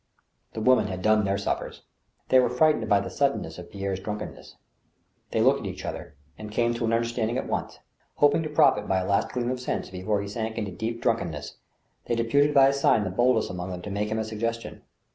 The women had done their suppers. They were frightened by the suddenness of Pierre's drunkenness. They looked at each other, and came to an understanding at once. Hoping to profit by a last gleam of sense before he sank into dead drunkenness, they deputed by a sign the boldest among them to make him a suggestion.